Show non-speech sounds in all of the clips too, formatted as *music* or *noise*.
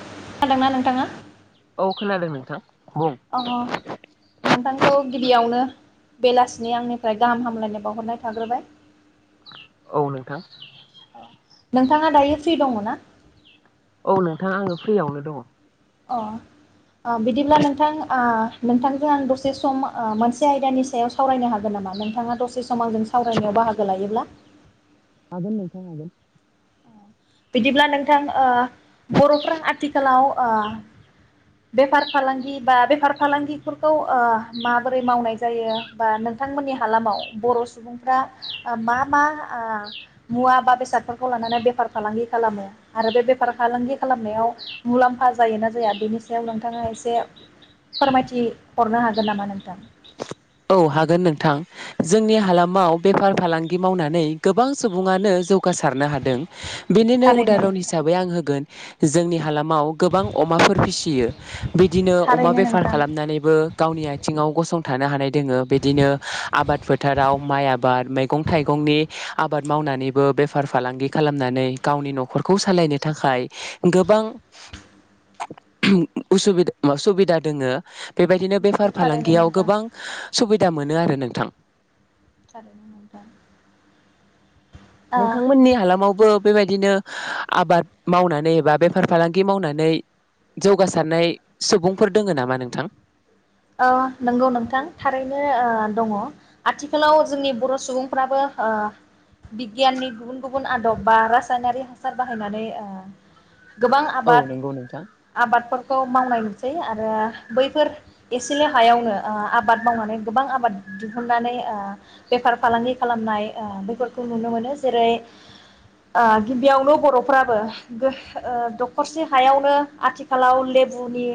खोना दोंना नोंथाङा? औ खोनादों नोंथां। खुबुं अ नोंथांखौ गिबियावनो बेलासिनि आंनिफ्राय गाहाम हामलायनाय बावहरनाय थाग्रोबाय। औ नोंथां। नोंथाङा दायो फ्रि दङ ना? औ नोंथां आङो फ्रि यावनो दङ। अ ओ बिदिब्ला नोंथां ओ नोंथांजों आं दसे सम ओ मोनसे आयदानि सायाव सावरायनो हागोन नामा नोंथाङा दसे सम आंजों सावरायनायाव बाहागो लायोब्ला? हागोन नोंथां हागोन। बिदिब्ला नोंथां ओ बर'फोरा आथिखालाव ओ बेफार फालांगि बा बेफार फालांगिफोरखौ ओ माबोरै मावनाय जायो बा नोंथांमोननि हालामाव बर' सुबुंफ्रा ओ मा मा ओ मुवा बा बेसादफोरखौ लानानै बेफार फालांगि खालामो आरो बे बेफार फालांगि खालामनायाव मुलाम्फा जायो ना जाया बेनि सायाव नोंथाङा एसे फोरमायथि हरनो हागोन नामा नोंथां? औ हागोन नोंथां जोंनि हालामाव बेफार फालांगि मावनानै गोबां सुबुङानो जौगासारनो हादों। बेनिनो थारैनो उदारन नोंथां हिसाबै आं होगोन जोंनि हालाम आव गोबां अमाफोर फिसियो बिदिनो अमा थारैनो बेफार नोंथां खालामनानैबो गावनि आयथिङाव गसंथानो हानाय दोङो बिदिनो आबाद फोथाराव माइ आबाद मैगं थाइगंनि आबाद मावनानैबो बेफार फालांगि खालामनानै गावनि नखरखौ सालायनो थाखाय गोबां उसुबिद सुबिदा दोङो। बेबायदिनो नंगौ बेफार थारैनो फालांगियाव नोंथां गोबां सुबिदा मोनो आरो नोंथां। थारैनो नोंथां। ओ नोंथांमोननि हालामावबो बेबायदिनो आबाद मावनानै एबा बेफार फालांगि मावनानै जौगासारनाय सुबुंफोर दोङो नामा नोंथां? अ नंगौ नोंथां थारैनो ओ दङ आथिखालाव जोंनि बर' सुबुंफ्राबो ओ बिगियाननि गुबुन गुबुन आदब बा रासायनारि हासार बाहायनानै ओ गोबां औ आबाद नंगौ नोंथां आबादफोरखौ मावनाय नुसै आरो बैफोर एसेल हायावनो ओ आबाद मावनानै गोबां आबाद दिहुननानै ओ बेफार फालांगि खालामनाय ओ बेफोरखौ नुनो मोनो जेरै ओ गिबियावनो बर'फ्राबो गो ओ दखरसे हायावनो आथिखालाव लेबुनि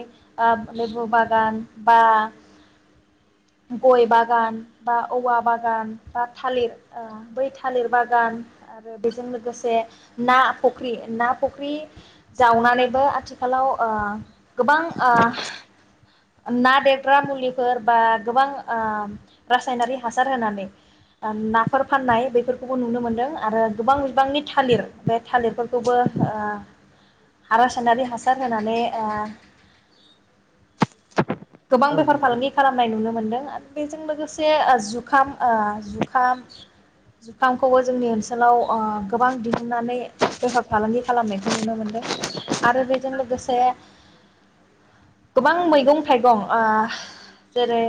ओ लेबु बागान बा गय बागान बा औवा बागान बा थालिर ओ बै थालिर बागान आरो बेजों लोगोसे ना फख्रि ना फख्रि जावनानैबो आथिखालाव ओ गोबां ओ ना देरग्रा मुलिफोर बा गोबां ओ रासायनारि हासार होनानै ओ नाफोर फाननाय बेफोरखौबो नुनो मोनदों आरो गोबां बिबांनि थालिर बे थालिरफोरखौबो ओ रासायनारि हासार होनानै ओ गोबां औ बेफार नंगौ फालांगि खालामनाय नुनो मोनदों। बेजों लोगोसे ओ जुखाम ओ जुखाम जुखामखौबो जोंनि ओनसोलाव ओ गोबां दिहुननानै बेफार फालांगि खालामनाय खौ नुनो मोनदों। आरो बेजों लोगोसे गोबां मैगं थाइगं ओ जेरै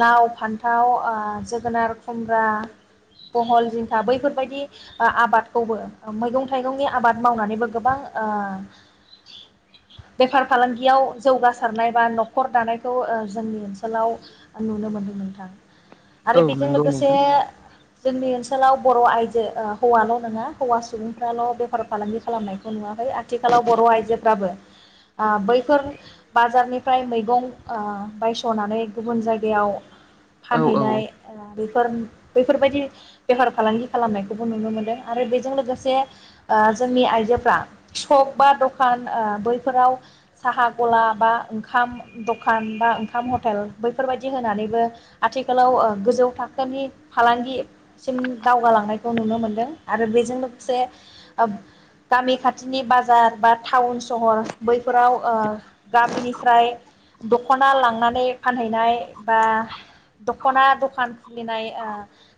लाव, फान्थाव ओ जोगोनार, खुमब्रा बहल, जिंखा बैफोरबायदि ओ आबादखौबो मैगं थाइगंनि आबाद मावनानैबो गोबां ओ बेफार फालांगियाव जौग सारनाय बा नखर दानायखौ जोंनि ओनसोलाव नुनो मोनदों नोंथां औ आरो बेजों नंगौ लोगोसे नोंथां जोंनि ओनसोलाव बर' आइजो ओ हौवाल नङा हौवा सुबुंफ्राल बेफार फालांगि खालामनायखौ नुवाखै आथिखालाव बर' आइजोफ्राबो ओ बैफोर बाजारनिफ्राय मैगं ओ बायसनानै गुबुन जायगायाव औ औ फानहैनाय बेफोर बैफोरबायदि बेफार फालांगि खालामनायखौबो नुनो मोनदों आरो बेजों लोगोसे ओ जोंनि आइजोफ्रा सक बा दखान ओ बैफोराव साहा गला बा ओंखाम दखान बा ओंखाम हटेल बैफोरबायाददि होनानैबो आथिखालाव ओ गोजौ थाखोनि फालांगिसिम दावगालांनायखौ नुनो मोनदों आरो बेजों लोगोसे गामि खाथिनि बाजार बा टाउन सहर बैफोराव ओ गामिनिफ्राय दखना लांनानै फानहैनाय बा दखना दखान खुलिनाय ओ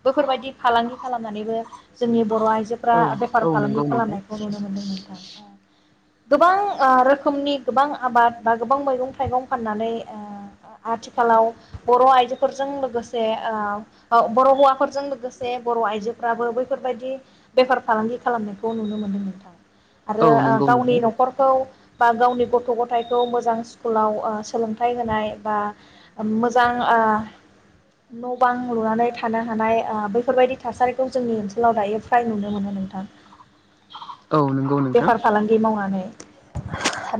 बेफोरबायदि फालांगि खालामनानैबो जोंनि बर' आइजो आयजोफोरा औ बेफार औ फालांगि नंगौ नोंथां खालामनायखौ नुनो मोन्दों नोंथां गोबां ओ रोखोमनि गोबां आबाद बा गोबां मैगं थाइगं फाननानै ओ आथिखालाव बर आइजोफोरजों लोगोसे ओ बर' हौवाफोरजों लोगोसे बर' आइजोफ्राबो बैफोरबायदि बेफार फालांगि खालामनायखौ नुनो मोनदों नोंथां आरो औ ओ नंगौ गावनि नोंथां नखरखौ बा गावनि गथ' गथाय खौ मोजां स्कुलाव ओ सोलोंथाइ होनाय बा मोजां ओ नबां लुनानै थानो हानाय ओ बेैफोरबायदि थासारिखौ जोंनि ओनसोलाव दायो फ्राय नुनो मोनो नोंथां औ नंगौ नोंथां बेफार फालांगि मावनानै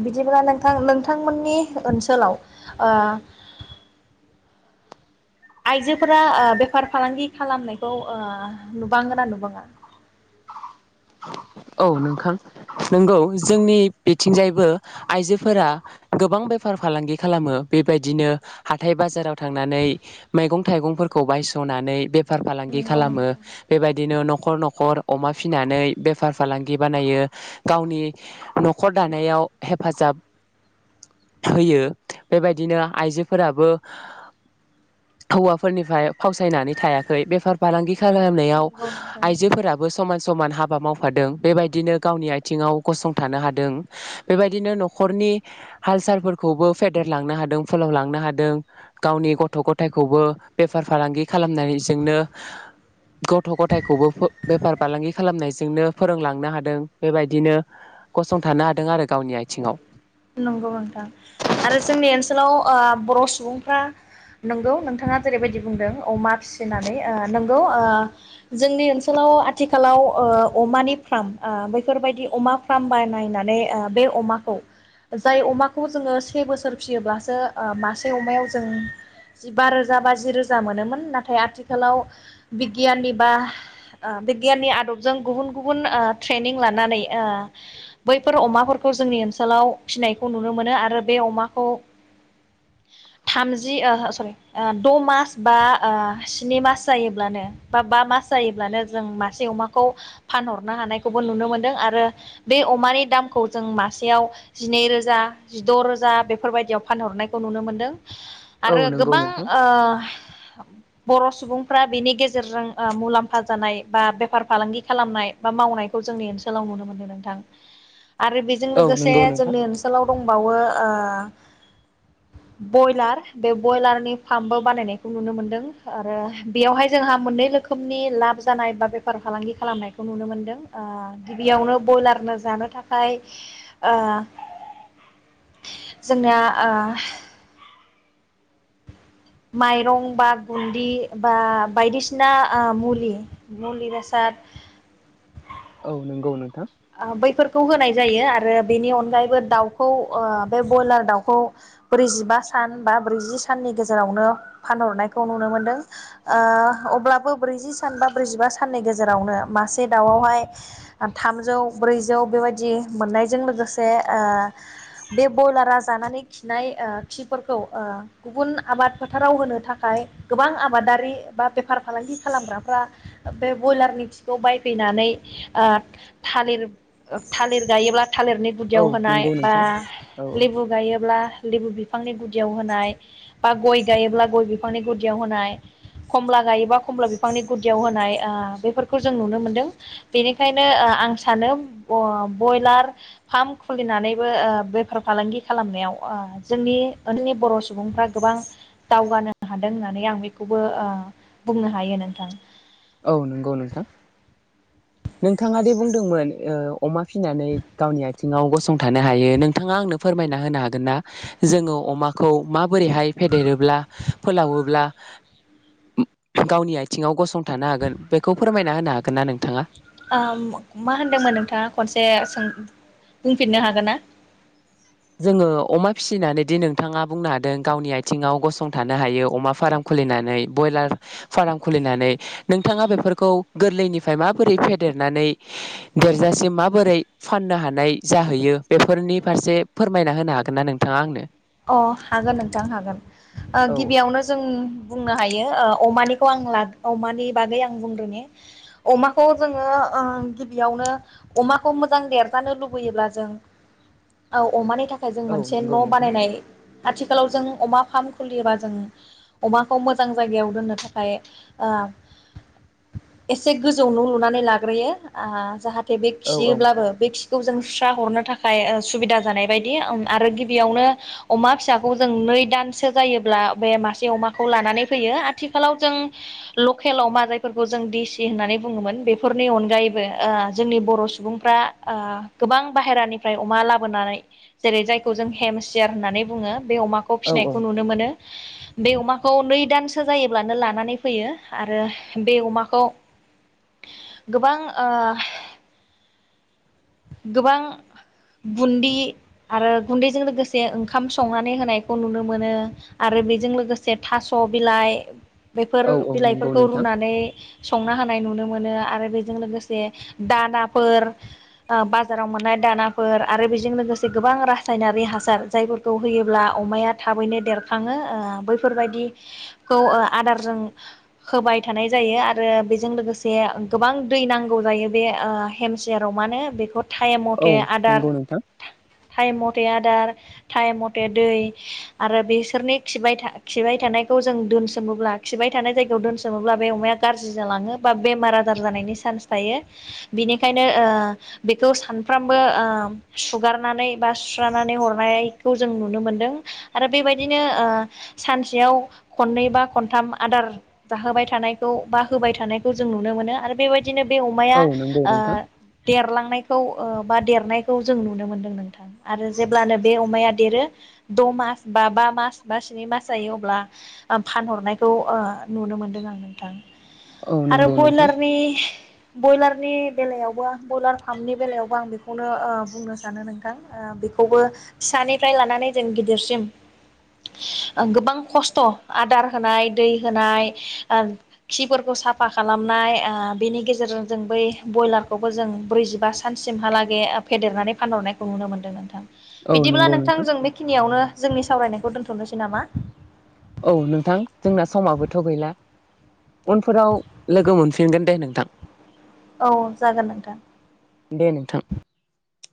बिदिब्लालाय थां नोंथांमोननि ओनसोलाव ओ आइजोफोरा ओ बेफार फालांगि खालामनायखौ ओ नुबाङोना नुबाङा औ नोंथां नंगौ जोंनि बिथिंजायबो आइजोफोरा गोबां बेफार फालांगि खालामो बेबायदिनो हाथाय बाजाराव थांनानै मैगं थाइगंफोरखौ बायसनानै बे बेफार फालांगि नंगौ खालामो नोंथां बेबायद बिदिनो नखर नखर अमा फिसिनानै बेफार फालांगि बानायो गावनि नखर दानायाव हेफाजाब होयो बेबायदिनो आइजोफोराबो हौवाफोरनिफ्राय फावसायनानै थायाखै बेफार फालांगि खालामनायाव नंगौ नोंथां आइजोफोराबो समान समान ह हाबा मावफादों बेबायदिनो गावनि आथिङाव गसंथानो हादों बेबायदिनो नखरनि हाल सालफोरखौबो फेदेरलांनो हादों फोलावलांनो हादों गावनि गथ' गथायाइखौबो बेफार फालांगि खालामनायजोंनो गथ' गथायखौबो बेफार फालांगि खालामनाय जोंनो फोरोंलांनो हादों बेबायदिनो गसंथानो हादों आरो गावनि आथिंआव नंगौ नोंथां आरो जोंनि ओनसोलाव बर सुबुंफ्रा नंगौ नोंथाङा जेरैबायदि बुंदों अमा फिसिनानै नंगौ जोंनि ओनसोलाव आथिखालाव अमानि फार्म बेफोरबायदि अमा फार्म बानायनानै बे अमाखौ जाय अमाखौ जोङो से बोसोर फियोब्लासो ओ मासे अमायाव जों जिबा रोजा बा जि रोजा मोनोमोन नाथाय आथिखालाव बिगियाननि बा ओ बिगियाननि आदबजों गुबुन गुबुन ट्रेनिं लानानै ओ बैफोर अमाफोरखौ जोंनि ओनसोलाव फिनायखौ नुनो मोनो आरो बे अमाखौ थामजि ओ सरि द मास बा स्नि मास जायोब्लानो बा बा मास जायोब्लानो जों मासे अमाखौ फानहरनो हानायखौबो नुनो मोनदों आरो बे अमानि दामखौ जों मासेयाव जिनै रोजा जिद रोजा बेफोरबायदियाव फानहरनायखौ नुनो मोन्दों औ आरो नंगौ गोबां नोंथां ओ बर' सुबुंफ्रा बेनि गेजेरजों मुलाम्फा जानाय बा बेफार फालांगि खालामनाय बा मावनायखौ जोंनि ओनसोलाव नुनो मोनदों नोंथां आरो बेजों औ लोगोसे नंगौ नोंथां जोंनि ओनसोलाव दंबावो ओ बयलार बे बयलारनि फाम्पबो बानायनायखौ नुनो मोनदों आरो बेयावहाय जोंहा मोननै रोखोमनि लाब जानाय बा बेफार फालांगि खालामनायखौ नुनो मोनदों ओ गिबियावनो ब्रयलारनो जानो थाखाय ओ जोंना ओ माइरं बा गुन्दि बा बायदिसिना ओ मुलि मुलि बेसाद औ नंगौ नोंथां बैफोरखौ होनाय जायो आरो बेनि अनगायैबो दाउखौ बे ब्रयलार दाउखौ ब्रैजिबा सान बा ब्रैजि साननि गेजेरावनो फानहरनायखौ नुनो मोनदों अब्लाबो ब्रैजि सान बा ब्रैजिबा साननि गेजेरावनो मासे दाउआवहाय थाम थामजौ ब्रैजौ बेबायदि मोननायजों लोगोसे बे बयलारा जानानै खिनाय खिफोरखौ गुबुन आबाद फोथाराव होनो थाखाय गोबां आबादारि बा बेफार फालांगि खालामग्राफ्रा बे बयलारनि खिखौ बायफैनानै थालिर थालिर गायोब्ला थालिरनि औ गुदियाव होनाय नंगौ बा नोंथां औ लेबु गायोब्ला लेबु बिफांनि गुदियाव होनाय बा गय गायोब्ला गय बिफांनि गुदियाव होनाय खमला गायोबा खमला बिफांनि गुदियाव होनाय ओ बेफोरखौ जों नुनो मोनदों बेनिखायनो आं सानो ब्रयलार फार्म खुलिनानैबो बेफार फालांगि खालामनायाव जोंनि ओनि बर सुबुंफ्रा गोबां दावगानो हादों होननानै आं बेखौबो बुंनो हायो नोंथां औ नंगौ नोंथां नोंथाङा दे बुंदोंमोन अमा फिसिनानै गावनि आथि आङाव गसंथानो हायो नोंथाङा आंनो फोरमायना होनो हागोन ना जोङो अमाखौ मा बोरैहाय फेदेरोब्ला फोलावोब्ला गावनि आथिङाव गसंथ थानो हागोन बेखौ फोरमाय होना हागोनना नोंथाङा? मा होनदोंमोन नोंथाङा खनसे सों बुंफिननो हागोन ना? जोङो अमा फिसिनानै दि नोंथाङा बुंनो हादों गावनि आथिङाव गसंथानो हायो अमा फार्म खुलिनानै ब्रयलार फार्म खुलिनानै नोंथाङा बेफोरखौ गोरलैनिफ्राय माबोरै फेदेरनानै देरजासिम माबोरै फाननो हानाय जाहैयो बेफोरनि फारसे फोरमायना होनो हागोन ना नोंथाङा आंनो? अ हागोन नोंथां हागोन औ गिबियावनो जों बुंनो हायो अमानिखौ आं ला अमानि बागै आं बुंग्रो ने अमाखौ जोङो गिबियावनो अमाखौ मोजां देरजानो लुबैयोब्ला जों अमानि थाखाय ओमफ्राय जों औ मोनसे नंगौ न नोंथां बानायनाय आथिखालाव जों अमा फार्म खुलियोबा जों अमाखौ मोजां जायगायाव दोननो थाखाय एसे गोजौ न लुनानै लाग्रोयो जाहाथे बे औ औ खियोब्लाबो बे खि खौ जों सुस्रा हरनो थाखाय सुबिदा जानाय बायदि आरो गिबियावनो अमा फिसाखौ जों नै दानसो जायोब्ला बे मासे अमाखौ लानानै फैयो आथिखालाव जों लकेल अमा जायफोरखौ जों दिसि होननानै बुङोमोन बेफोरनि अनगायैबो जोंनि बर सुबुंफ्रा गोबां बाहेरानिफ्राय अमा लाबोनानै जेरै जायखौ जों हेमसियार होननानै बुंङो बे अमाखौ औ औ फिसिनायखौ नुनो मोनो बे अमाखौ नै दानसो जायोब्लानो लानानै फैयो आरो बे अमाखौ गोबां ओ गोबां बुन्दि आरो गुन्दैजों लोगोसे ओंखाम संनानै होनायखौ नुनो मोनो आरो बेजों लोगोसे थास बिलाइ बेफोर औ औ नंगौ बिलाइफोरखौ नोंथां रुनानै संना होनाय नुनो मोनो आरो बेजों लोगोसे दानाफोर बाजाराव मोननाय दानाफोर आरो बेजों लोगोसे गोबां रासायनारि हासार जायफोरखौ होयोब्ला अमाया थाबैनो देरखाङो बैफोरबायदिखौ आदारजों होबाय थानाय जायो आरो बेजों लोगोसे गोबां दै नांगौ जायो बे हेमसियार अमानो बे टाइम औ मथे आदार नंगौ नोंथां टाइ टाइम मथे आं आदार टाइम मथे दै आरो बिसोरनि खिबाय थाना खिबाय थानायखौ जों दोनसोमोब्ला खिबाय थानाय जायगायाव दोनसोमोब्ला बे अमाया गाज्रि जालाङो बा बेमार आजार जानायनि चान्स थायो बिनिखायनो ओ बेखौ सानफ्रामबो ओ सुगारनानै बा सुस्रानानै हरनायखौ जों नुनो मोनदों आरो बेबायदिनो सानसेयाव खननै बा खनथाम आदार जाहोबाय थानायखौ बा होबाय थानायखौ जों नुनो मोनो आरो बेबायदि बिदिनो बे अमाया औ नंगौ ओ नोंथां देरलां खौ बा देरनायखौ जों नुनो मोनदों नोंथां आरो जेब्लानो बे अमाया देरो द मास बा बा मास बा स्नि मास जायो अब्ला फानहरनायखौ ओ नुनो मोनदों आं नोंथां। औ आरो नंगौ नोंथां बयलारनि बयलारनि बेलायावबो ओ बयलार *unintelligible* बेलायावबो आं बेखौनो बुंनो सानो नोंथां बेखौबो फिसानिफ्राय लानानै जों गिदिरसिम गोबां खस्थ' आदार होनाय दै होनाय खिफोरखौ साफा खालामनाय ओ बेनि गेजेरजों जों बै बयलारखौबो जों ब्रैजिथाम बा सानसिमहालागै फेदेरनानै फानहरनायखौ नुनो मोन्दों नोंथां। औ बिदिब्ला नंगौ नोंथां जों बेखिनियावनो जोंनि सावरायनायखौ दोन्थ'नोसै नामा? औ नोंथां जोंना समाबोथ' गैला उनफोराव लोगो मोनफिनगोन दे नोंथां। औ जागोन नोंथां। दे नोंथां।